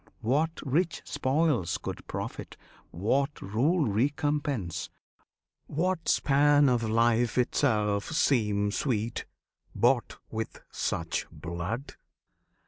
what rich spoils Could profit; what rule recompense; what span Of life itself seem sweet, bought with such blood?